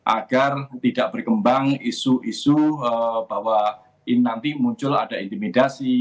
agar tidak berkembang isu isu bahwa nanti muncul ada intimidasi